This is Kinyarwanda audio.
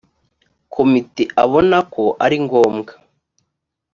komite abona ko ari ngombwa